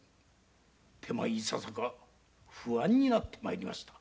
いささか不安になって参りました。